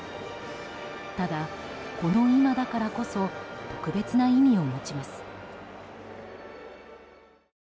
ただ、この今だからこそ特別な意味を持ちます。